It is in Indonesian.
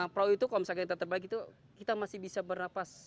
perahu itu kalau misalnya kita terbaik itu kita masih bisa bernafas